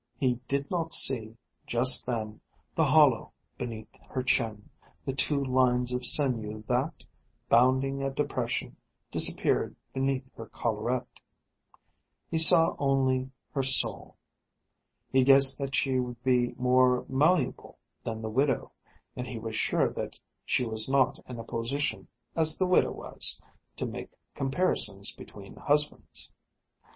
He did not see, just then, the hollow beneath her chin, the two lines of sinew that, bounding a depression, disappeared beneath her collarette. He saw only her soul. He guessed that she would be more malleable than the widow, and he was sure that she was not in a position, as the widow was, to make comparisons between husbands.